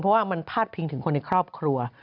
เพราะว่ามันพาดพิงถึงคนในครอบครัว